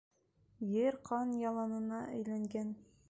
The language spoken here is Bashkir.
Ер ҡан яланына әйләнгән.